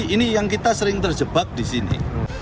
ini yang kita sering terjebak di sini